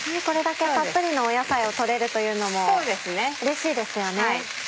これだけたっぷりの野菜を取れるというのもうれしいですよね。